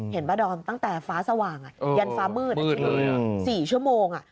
ปะดอมตั้งแต่ฟ้าสว่างยันฟ้ามืด๔ชั่วโมง